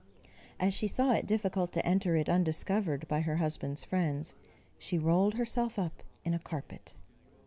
As she saw it difficult to enter it undiscovered by her husband's friends, she rolled herself up in a carpet.